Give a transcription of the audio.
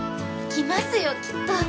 来ますよきっと。